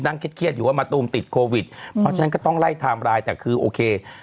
อะไรเริ่มกลับจากเชียงใหม่ปุ๊บ